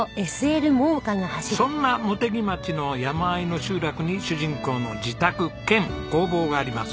そんな茂木町の山あいの集落に主人公の自宅兼工房があります。